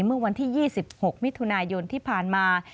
เมื่อวันที่๒๖มิถุนายนที่ผ่านมา